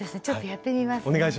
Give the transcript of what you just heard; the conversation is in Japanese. ちょっとやってみますね。